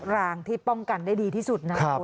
รางที่ป้องกันได้ดีที่สุดนะครับ